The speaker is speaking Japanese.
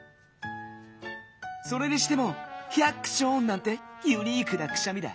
それにしても「ヒャクショーン！」なんてユニークなくしゃみだ。